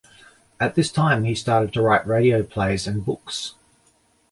At this time he started to write radio plays and books.